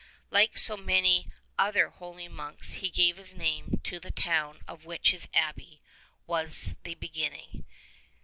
Like so many other holy monks he gave his name to the town of which his abbey was the beginning.